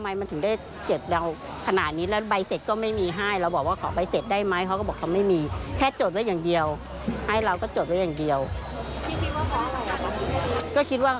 นี้ถ้าจบอาจจะโดนตัดสินว่า